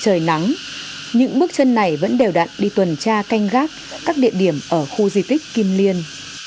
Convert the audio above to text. trời nắng những bước chân này vẫn đều đặn đi tuần tra canh gác các địa điểm ở khu di tích kim liên